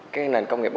cái nền công nghiệp bốn